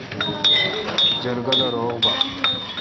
جرگہ لو روغ با۔